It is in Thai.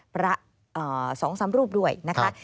พระ๒๓รูปด้วยนะคะ